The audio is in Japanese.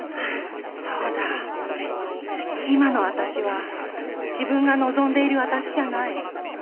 そうだ今の私は自分が望んでいる私じゃない。